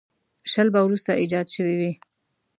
شل به وروسته ایجاد شوي وي.